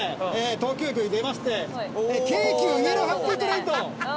東京駅を出まして京急イエローハッピートレインと。